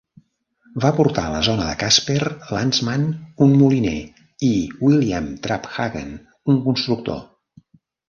Va portar a la zona a Casper Landsman, un moliner, i William Traphagen, un constructor.